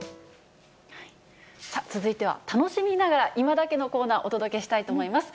続いては楽しみながら、いまダケッのコーナー、お届けしたいと思います。